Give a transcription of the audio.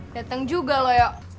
dateng juga lo ya